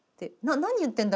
「何言ってんだろ？